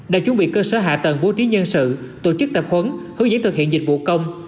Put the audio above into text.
đã chuẩn bị cơ sở hạ tầng bố trí nhân sự tổ chức tập huấn hướng dẫn thực hiện dịch vụ công